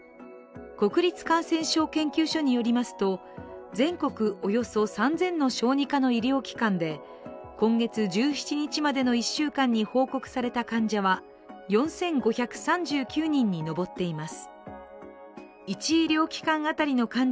国立感染症研究所によりますと、全国およそ３０００の小児科の医療機関で今月１７日までの１週間に報告された患者は４５３９人に上っています。